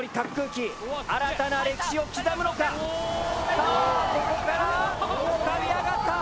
さあここから浮かび上がった。